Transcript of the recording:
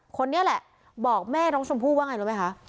คนนี้แหละบอกแม่น้องชมพู่ว่าไงรู้ไหมคะ